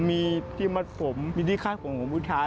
มีที่มัดผมมีที่ข้างผมของผู้ชาย